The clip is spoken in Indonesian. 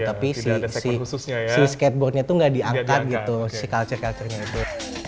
tapi si skateboardnya itu nggak diangkat gitu si culture culture nya itu